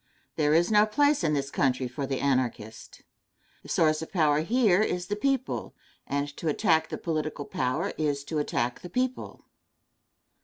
There is no place in this country for the Anarchist. The source of power here is the people, and to attack the political power is to attack the people.